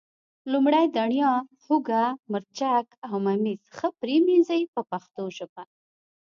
لومړی دڼیا، هوګه، مرچک او ممیز ښه پرېمنځئ په پښتو ژبه.